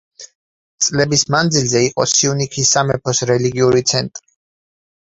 წლების მანძილზე იყო სიუნიქის სამეფოს რელიგიური ცენტრი.